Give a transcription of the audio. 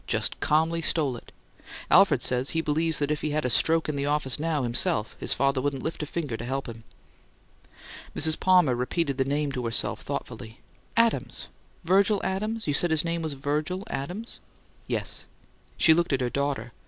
Just calmly stole it! Alfred says he believes that if he had a stroke in the office now, himself, his father wouldn't lift a finger to help him!" Mrs. Palmer repeated the name to herself thoughtfully. "'Adams' 'Virgil Adams.' You said his name was Virgil Adams?" "Yes." She looked at her daughter.